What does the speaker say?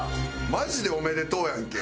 マジでおめでとうやんけ。